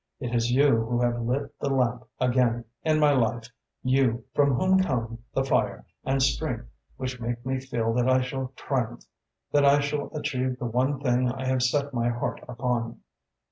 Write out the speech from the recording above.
It is you who have lit the lamp again in my life, you from whom come the fire and strength which make me feel that I shall triumph, that I shall achieve the one thing I have set my heart upon."